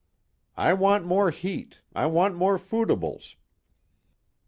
"I want more heat, I want more foodibles."